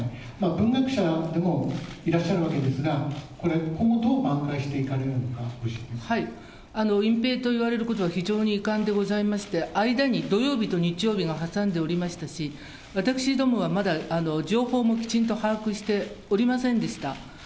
文学者でもいらっしゃるわけですが、これ、今後、どう挽回していかれるのか、隠ぺいと言われることは、非常に遺憾でございまして、間に、土曜日と日曜日が挟んでおりましたし、私どもはまだ情報もきちんと把握しておりませんでした。